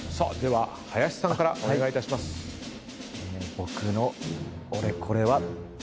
僕のオレコレは。